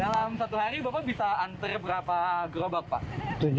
dalam satu hari bapak bisa antar berapa gerobak pak